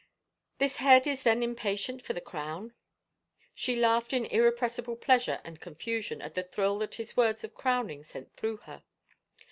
" This head is then impatient for the crown?" She laughed in irrepressible pleasure and confusion at the thrill that his words of crowning sent through her.